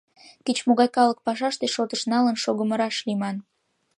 Кеч-могай калык пашаште шотыш налын шогымо раш лийман.